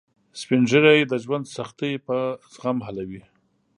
سپین ږیری د ژوند سختۍ په زغم حلوي